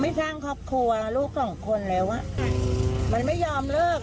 สร้างครอบครัวลูกสองคนแล้วอ่ะมันไม่ยอมเลิก